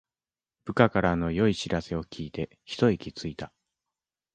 部下からの良い知らせを聞いてひと息ついた